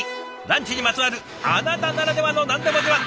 ランチにまつわるあなたならではの何でも自慢。